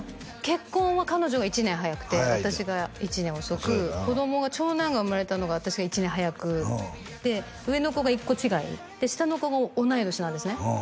結婚は彼女が１年早くて私が１年遅く子供が長男が生まれたのが私が１年早くで上の子が１個違いで下の子が同い年なんですね